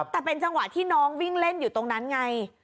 แต่เป็นจังหวะที่น้องวิ่งเล่นอยู่ตรงนั้นไง